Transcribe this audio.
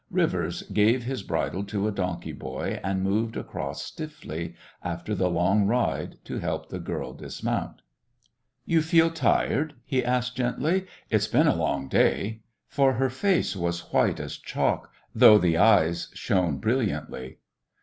Rivers gave his bridle to a donkey boy, and moved across stiffly after the long ride to help the girl dismount. "You feel tired?" he asked gently. "It's been a long day." For her face was white as chalk, though the eyes shone brilliantly.